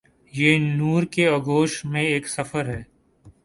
یہ نور کے آغوش میں ایک سفر ہے۔